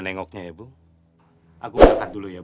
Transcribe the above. pak berangkat dulu ya